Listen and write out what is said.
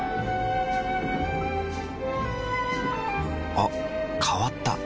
あ変わった。